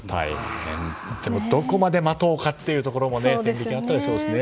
どこまで待とうかというところもあったでしょうしね。